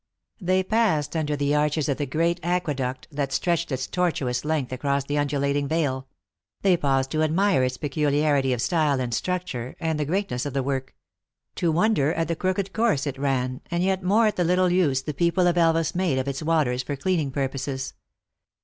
They passed under the arches of the great aqueduct that THE ACTKESS IN HIGH LIFE. 93 stretched its tortuous length across the undulating vale; they paused to admire its peculiarity of style and structure, and the greatness of the work ; to won der at the crooked course it ran, and yet more at the little use the people of Elvas made of its waters for cleaning purposes.